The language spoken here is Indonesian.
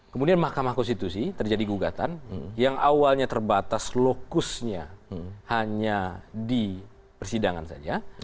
kemudian mahkamah konstitusi terjadi gugatan yang awalnya terbatas lokusnya hanya di persidangan saja